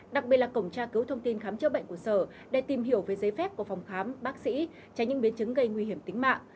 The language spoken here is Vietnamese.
đặc biệt là cổng tra cứu thông tin khám chữa bệnh của sở để tìm hiểu về giấy phép của phòng khám bác sĩ tránh những biến chứng gây nguy hiểm tính mạng